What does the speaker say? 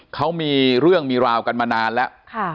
เขามีเรื่องมีราวกันมานานแล้ว